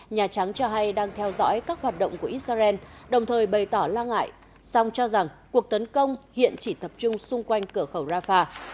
nhà trắng cho hay đang theo dõi các hoạt động của israel đồng thời bày tỏ lo ngại song cho rằng cuộc tấn công hiện chỉ tập trung xung quanh cửa khẩu rafah